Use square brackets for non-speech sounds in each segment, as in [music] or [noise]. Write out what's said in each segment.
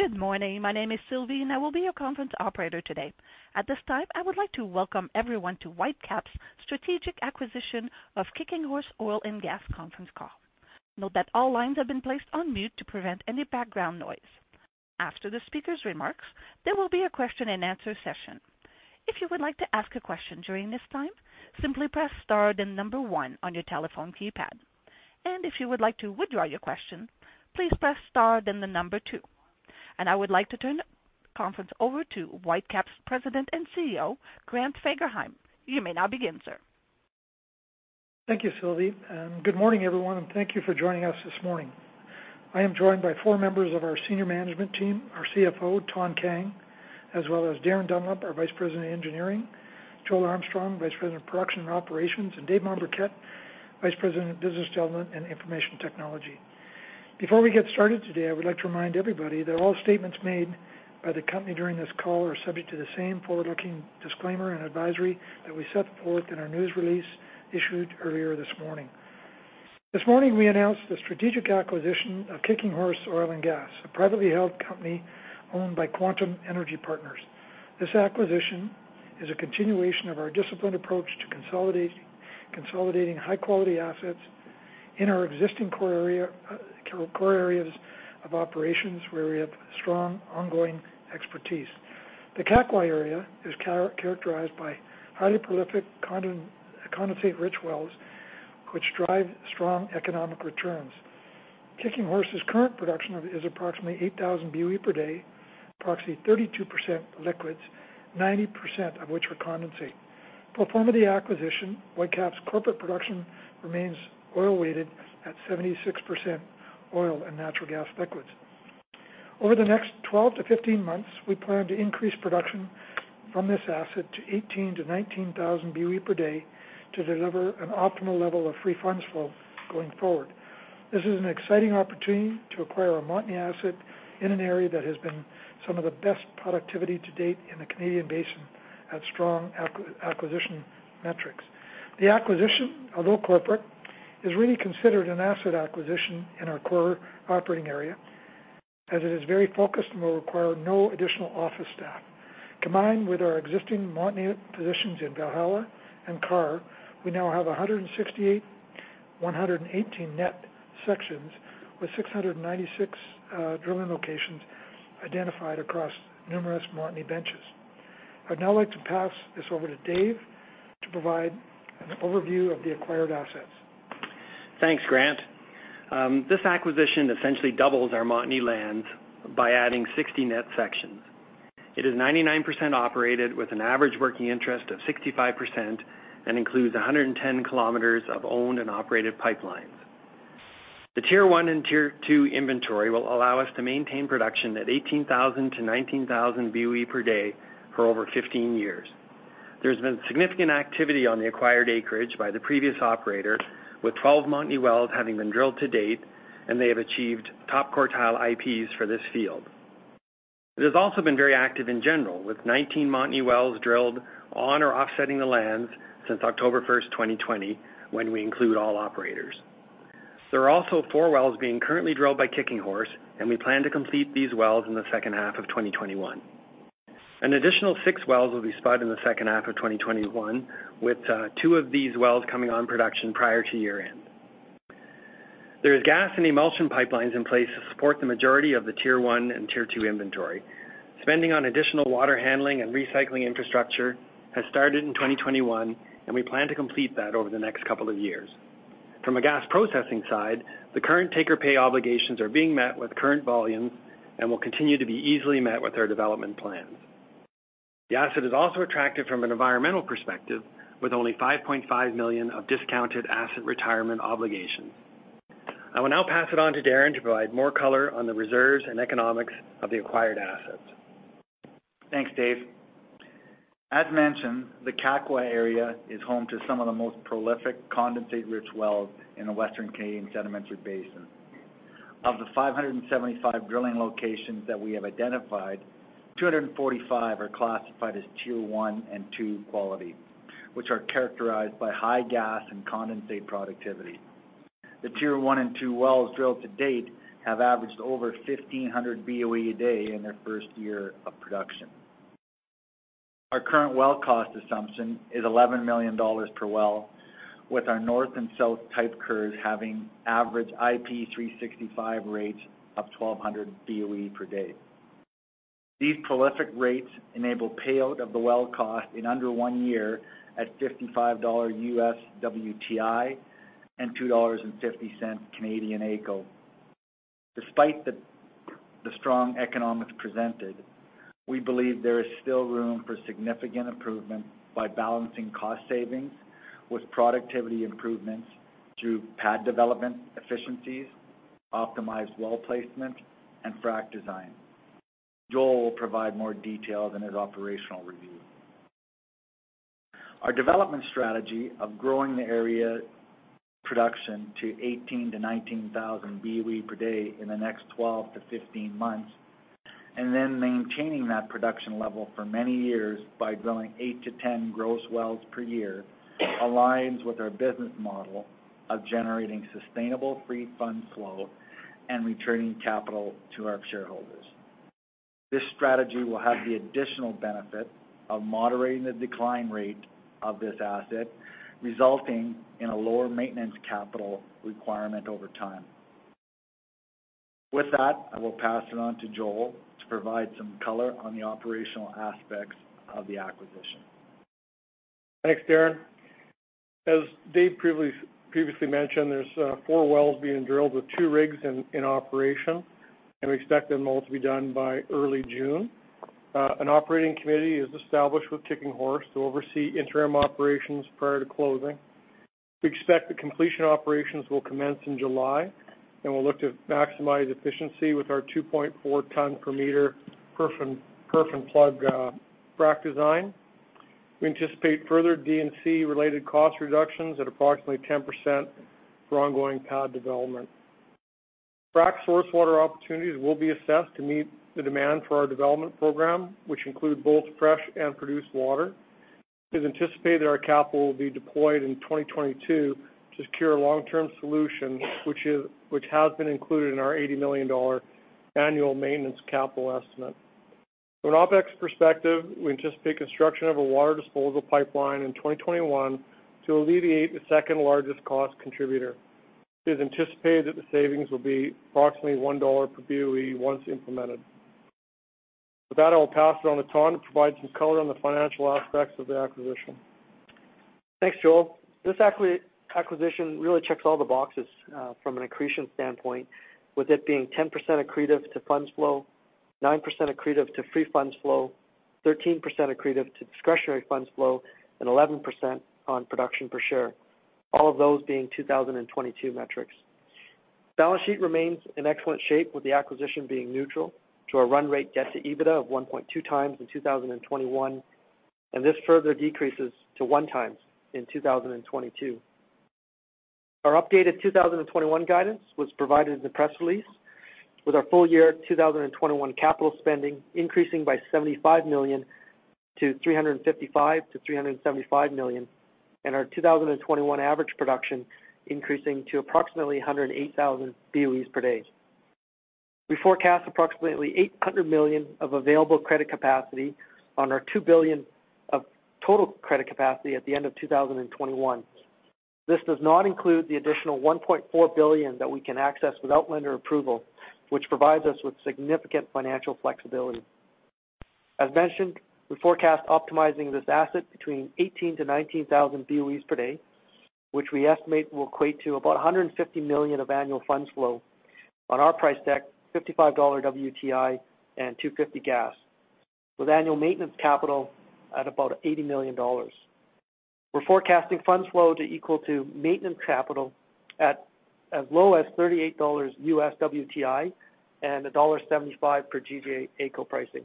Good morning. My name is Sylvie, and I will be your conference operator today. At this time, I would like to welcome everyone to Whitecap's strategic acquisition of Kicking Horse Oil & Gas conference call. Note that all lines have been placed on mute to prevent any background noise. After the speaker's remarks, there will be a question-and-answer session. If you would like to ask a question during this time, simply press star then number one on your telephone keypad, and if you would like to withdraw your question, please press star then the number two. And I would like to turn the conference over to Whitecap's President and CEO, Grant Fagerheim. You may now begin, sir. Thank you, Sylvie. Good morning, everyone, and thank you for joining us this morning. I am joined by four members of our senior management team: our CFO, Thanh Kang, as well as Darin Dunlop, our Vice President of Engineering, Joel Armstrong, Vice President of Production and Operations, and Dave Mombourquette, Vice President of Business Development and Information Technology. Before we get started today, I would like to remind everybody that all statements made by the company during this call are subject to the same forward-looking disclaimer and advisory that we set forth in our news release issued earlier this morning. This morning, we announced the strategic acquisition of Kicking Horse Oil & Gas, a privately held company owned by Quantum Energy Partners. This acquisition is a continuation of our disciplined approach to consolidating high-quality assets in our existing core areas of operations where we have strong ongoing expertise. The Kakwa area is characterized by highly prolific condensate-rich wells, which drive strong economic returns. Kicking Horse's current production is approximately 8,000 BOE/D, approximately 32% liquids, 90% of which are condensate. Pro forma the acquisition, Whitecap's corporate production remains oil-weighted at 76% oil and natural gas liquids. Over the next 12 to 15 months, we plan to increase production from this asset to 18,000-19,000 BOE/D to deliver an optimal level of free funds flow going forward. This is an exciting opportunity to acquire a Montney asset in an area that has been some of the best productivity to date in the Canadian basin at strong acquisition metrics. The acquisition, although corporate, is really considered an asset acquisition in our core operating area, as it is very focused and will require no additional office staff. Combined with our existing Montney positions in Valhalla and Karr, we now have 168, 118 net, sections, with 696 drilling locations identified across numerous Montney benches. I'd now like to pass this over to Dave to provide an overview of the acquired assets. Thanks, Grant. This acquisition essentially doubles our Montney land by adding 60 net sections. It is 99% operated with an average working interest of 65% and includes 110 km of owned and operated pipelines. The tier one and tier two inventory will allow us to maintain production at 18,000-19,000 BOE/D for over 15 years. There's been significant activity on the acquired acreage by the previous operator, with 12 Montney wells having been drilled to date, and they have achieved top-quartile IPs for this field. It has also been very active in general, with 19 Montney wells drilled on or offsetting the lands since October 1st, 2020, when we include all operators. There are also four wells being currently drilled by Kicking Horse, and we plan to complete these wells in the second half of 2021. An additional six wells will be spud in the second half of 2021, with two of these wells coming on production prior to year-end. There are gas and emulsion pipelines in place to support the majority of the tier one and tier two inventory. Spending on additional water handling and recycling infrastructure has started in 2021, and we plan to complete that over the next couple of years. From a gas processing side, the current take-or-pay obligations are being met with current volumes and will continue to be easily met with our development plans. The asset is also attractive from an environmental perspective, with only $5.5 million of discounted asset retirement obligations. I will now pass it on to Darin to provide more color on the reserves and economics of the acquired assets. Thanks, Dave. As mentioned, the Kakwa area is home to some of the most prolific condensate-rich wells in the Western Canadian sedimentary basin. Of the 575 drilling locations that we have identified, 245 are classified as tier one and two quality, which are characterized by high gas and condensate productivity. The tier one and two wells drilled to date have averaged over 1,500 BOE/D in their first year of production. Our current well cost assumption is $11 million per well, with our north and south type curves having average IP 365 rates of 1,200 BOE/D. These prolific rates enable payout of the well cost in under one year at $55 WTI and 2.50 Canadian dollars AECO. Despite the strong economics presented, we believe there is still room for significant improvement by balancing cost savings with productivity improvements through pad development efficiencies, optimized well placement, and frac design. Joel will provide more details in his operational review. Our development strategy of growing the area production to 18,000-19,000 BOE/D in the next 12-15 months and then maintaining that production level for many years by drilling eight-10 gross wells per year aligns with our business model of generating sustainable free funds flow and returning capital to our shareholders. This strategy will have the additional benefit of moderating the decline rate of this asset, resulting in a lower maintenance capital requirement over time. With that, I will pass it on to Joel to provide some color on the operational aspects of the acquisition. Thanks, Darin. As Dave previously mentioned, there are four wells being drilled with two rigs in operation, and we expect them all to be done by early June. An operating committee is established with Kicking Horse to oversee interim operations prior to closing. We expect the completion operations will commence in July, and we'll look to maximize efficiency with our 2.4 tonne per meter perf-and-plug frac design. We anticipate further D&C-related cost reductions at approximately 10% for ongoing pad development. Frac source water opportunities will be assessed to meet the demand for our development program, which includes both fresh and produced water. It is anticipated that our capital will be deployed in 2022 to secure a long-term solution, which has been included in our $80 million annual maintenance capital estimate. From an OpEx perspective, we anticipate construction of a water disposal pipeline in 2021 to alleviate this second largest cost contributor. It is anticipated that the savings will be approximately $1 per BOE once implemented. With that, I will pass it on to Thanh to provide some color on the financial aspects of the acquisition. Thanks, Joel. This acquisition really checks all the boxes from an accretion standpoint, with it being 10% accretive to funds flow, 9% accretive to free funds flow, 13% accretive to discretionary funds flow, and 11% on production per share, all of those being 2022 metrics. The balance sheet remains in excellent shape, with the acquisition being neutral to our run rate debt-to-EBITDA of 1.2x in 2021, and this further decreases to 1x in 2022. Our updated 2021 guidance was provided in the press release, with our full year 2021 capital spending increasing by $75 million to $355 million-$375 million and our 2021 average production increasing to approximately 108,000 BOE/D. We forecast approximately $800 million of available credit capacity on our $2 billion of total credit capacity at the end of 2021. This does not include the additional $1.4 billion that we can access without lender approval, which provides us with significant financial flexibility. As mentioned, we forecast optimizing this asset between 18,000-19,000 BOE/D, which we estimate will equate to about $150 million of annual funds flow on our price deck, $55 WTI and 2.50 gas, with annual maintenance capital at about $80 million. We're forecasting funds flow to equal maintenance capital at as low as $38 WTI and dollar 1.75/GJ AECO pricing.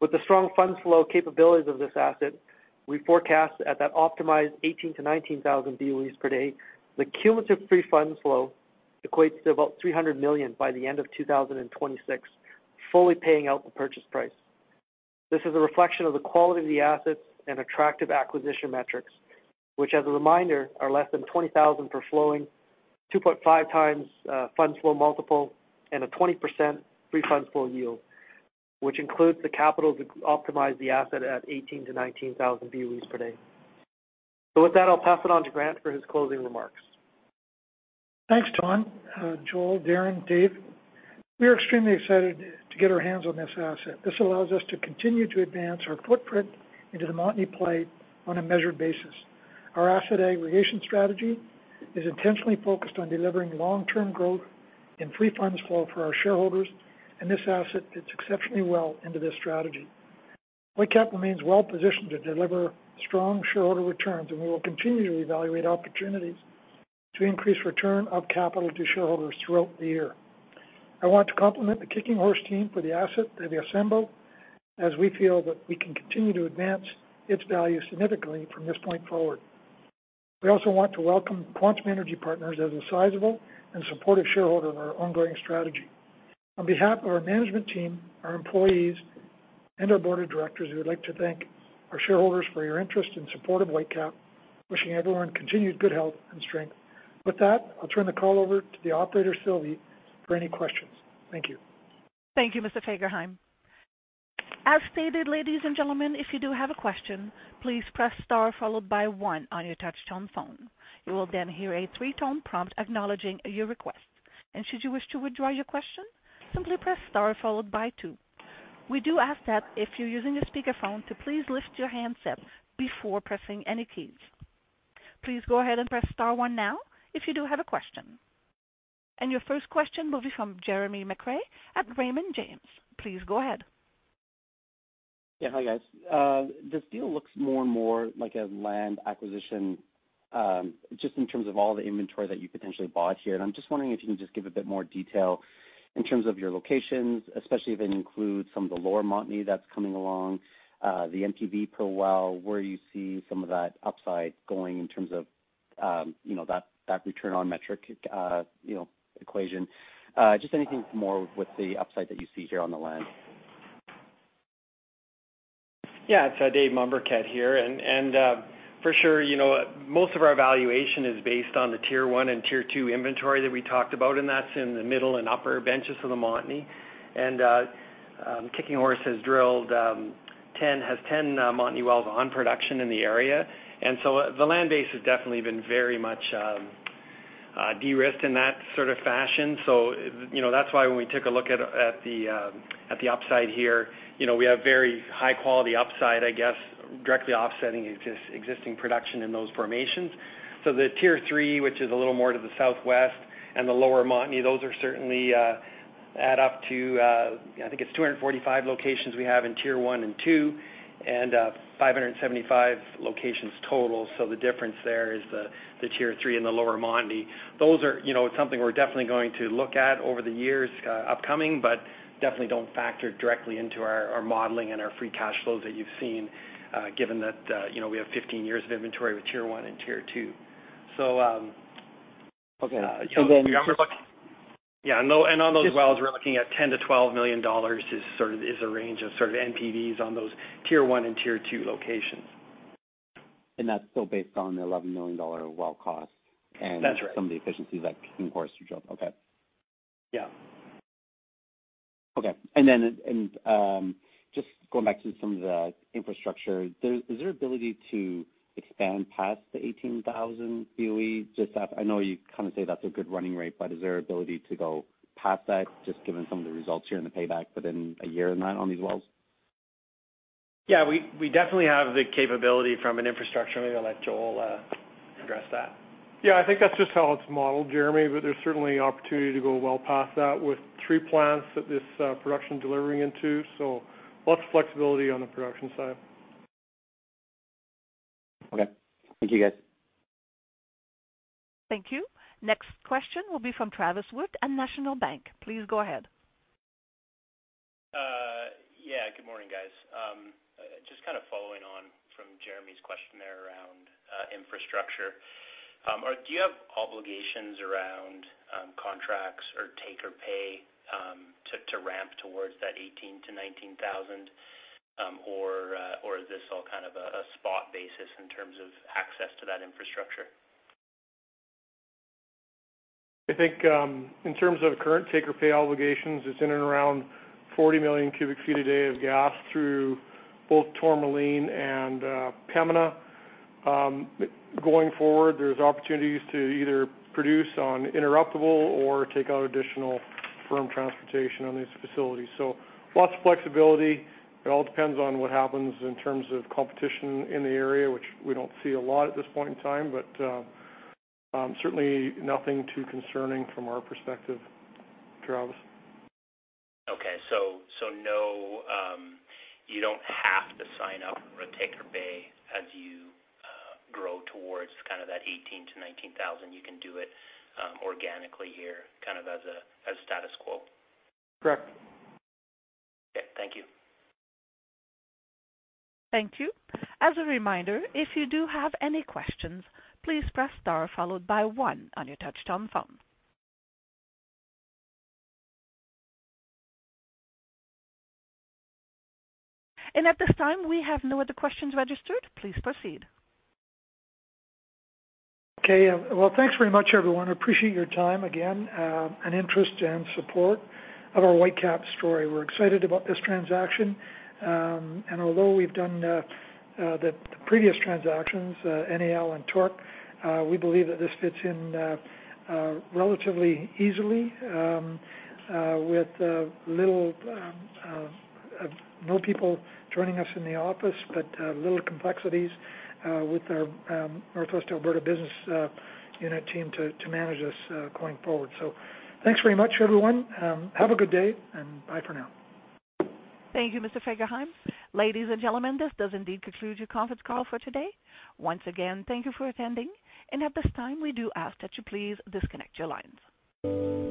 With the strong funds flow capabilities of this asset, we forecast at that optimized 18,000-19,000 BOE/D, the cumulative free funds flow equates to about $300 million by the end of 2026, fully paying out the purchase price. This is a reflection of the quality of the assets and attractive acquisition metrics, which, as a reminder, are less than 20,000 per flowing, 2.5x funds flow multiple, and a 20% free funds flow yield, which includes the capital to optimize the asset at 18,000-19,000 BOE/D. So with that, I'll pass it on to Grant for his closing remarks. Thanks, Thanh, Joel, Darin, Dave. We are extremely excited to get our hands on this asset. This allows us to continue to advance our footprint into the Montney play on a measured basis. Our asset aggregation strategy is intentionally focused on delivering long-term growth in free funds flow for our shareholders, and this asset fits exceptionally well into this strategy. Whitecap remains well positioned to deliver strong shareholder returns, and we will continue to evaluate opportunities to increase return of capital to shareholders throughout the year. I want to compliment the Kicking Horse team for the asset that they assembled, as we feel that we can continue to advance its value significantly from this point forward. We also want to welcome Quantum Energy Partners as a sizable and supportive shareholder of our ongoing strategy. On behalf of our management team, our employees, and our Board of Directors, we would like to thank our shareholders for your interest and support of Whitecap, wishing everyone continued good health and strength. With that, I'll turn the call over to the operator, Sylvie, for any questions. Thank you. Thank you, Mr. Fagerheim. As stated, ladies and gentlemen, if you do have a question, please press star followed by one on your touch-tone phone. You will then hear a three-tone prompt acknowledging your request. And should you wish to withdraw your question, simply press star followed by two. We do ask that if you're using a speakerphone, to please lift your handset up before pressing any keys. Please go ahead and press star one now if you do have a question. And your first question will be from Jeremy McCrea at Raymond James. Please go ahead. Yeah, hi guys. This deal looks more and more like a land acquisition just in terms of all the inventory that you potentially bought here. And I'm just wondering if you can just give a bit more detail in terms of your locations, especially if it includes some of the lower Montney that's coming along, the NPV per well, where you see some of that upside going in terms of that return on metric equation. Just anything more with the upside that you see here on the land. Yeah, it's Dave Mombourquette here. And for sure, most of our valuation is based on the tier one and tier two inventory that we talked about, and that's in the middle and upper benches of the Montney. And Kicking Horse has drilled 10, has 10 Montney wells on production in the area. And so the land base has definitely been very much derisked in that sort of fashion, so that's why when we took a look at the upside here, we have very high-quality upside, I guess, directly offsetting existing production in those formations. So the tier three, which is a little more to the southwest and the lower Montney, those certainly add up to, I think it's 245 locations we have in tier one and two and 575 locations total. So the difference there is the tier three and the lower Montney. Those are something we're definitely going to look at over the years upcoming but definitely don't factor directly into our modeling and our free cash flows that you've seen, given that we have 15 years of inventory with tier one and tier two. So. [crosstalk] Okay. And then. [crosstalk] Yeah. And on those wells, we're looking at $10 million-$12 million is a range of sort of NPVs on those tier one and tier two locations. That's still based on the $11 million well cost and some of the efficiencies that Kicking Horse have drilled. That's right, yes. Okay. Yeah. Okay. And then just going back to some of the infrastructure, is there ability to expand past the 18,000 BOE? I know you kind of say that's a good running rate, but is there ability to go past that, just given some of the results here and the payback within a year [and that] on these wells? Yeah, we definitely have the capability from an infrastructure. Maybe I'll let Joel address that. Yeah, I think that's just how it's modeled, Jeremy, but there's certainly opportunity to go well past that with three plants that this production is delivering into. So lots of flexibility on the production side. Okay. Thank you, guys. Thank you. Next question will be from Travis Wood at National Bank. Please go ahead. Yeah, good morning, guys. Just kind of following on from Jeremy's question there around infrastructure. Do you have obligations around contracts or take or pay to ramp towards that 18,000-19,000, or is this all kind of a spot basis in terms of access to that infrastructure? I think, in terms of current take-or-pay obligations, it's in and around 40 MMcf/d of gas through both Tourmaline and Pembina. Going forward, there's opportunities to either produce on interruptible or take out additional firm transportation on these facilities, so lots of flexibility. It all depends on what happens in terms of competition in the area, which we don't see a lot at this point in time, but certainly nothing too concerning from our perspective, Travis. Okay, so you don't have to sign up for a take or pay as you grow towards kind of that 18,000-19,000. You can do it organically here, kind of as a status quo. Correct. Okay. Thank you. Thank you. As a reminder, if you do have any questions, please press star followed by one on your touch-tone phone. And at this time, we have no other questions registered. Please proceed. Okay. Thanks very much, everyone. I appreciate your time again and interest and support of our Whitecap story. We're excited about this transaction. Although we've done the previous transactions NAL and TORC, we believe that this fits in relatively easily, with little, no people joining us in the office but little complexities with our Northwest Alberta business unit team to manage this going forward. Thanks very much, everyone. Have a good day and bye for now. Thank you, Mr. Fagerheim. Ladies and gentlemen, this does indeed conclude your conference call for today. Once again, thank you for attending. And at this time, we do ask that you please disconnect your lines.